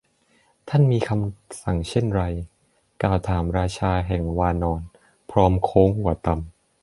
ท่านมีคำสั่งเช่นไร ? กล่าวถามราชาแห่งวานร พร้อมโค้งหัวต่ำ